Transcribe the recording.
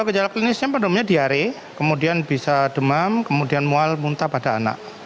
kejala klinisnya penularannya diare kemudian bisa demam kemudian mual muntah pada anak